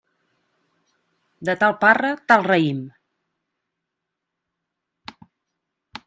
De tal parra, tal raïm.